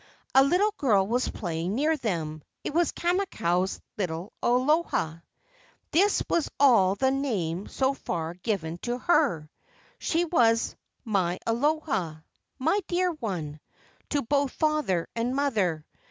A little girl was playing near them. It was Kamakau's little Aloha. This was all the name so far given to her. She was "My Aloha," "my dear one," to both father and mother.